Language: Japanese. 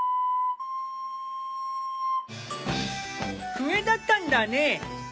笛だったんだね！